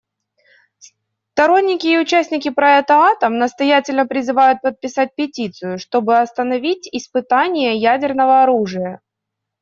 Сторонники и участники проекта "Атом" настоятельно призывают подписать петицию, чтобы остановить испытания ядерного оружия.